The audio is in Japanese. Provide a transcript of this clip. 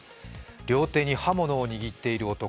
両手に刃物を握っている男。